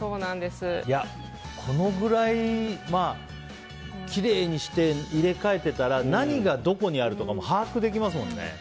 このぐらいきれいにして入れ替えてたら何がどこにあるとかも把握できますもんね。